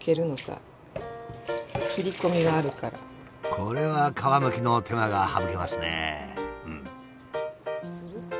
これは皮むきの手間が省けますね！